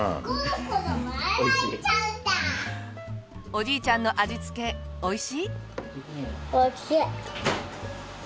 おじいちゃんの味付けおいしい？